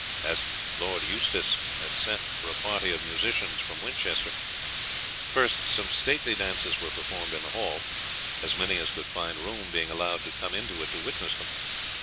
As Lord Eustace had sent for a party of musicians from Winchester, first some stately dances were performed in the hall, as many as could find room being allowed to come into it to witness them.